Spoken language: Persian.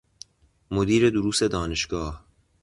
مدیر دروس دانشگاه